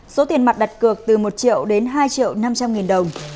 số tiền mặt đặt cược từ một triệu đến hai triệu năm trăm linh nghìn đồng